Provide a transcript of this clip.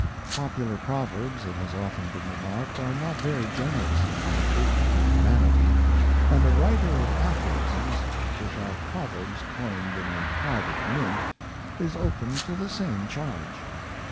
Popular proverbs, it has often been remarked, are not very generous in their treatment of humanity ; and a writer of aphorisms, which are pro verbs coined in a private mint, is open to the same charge.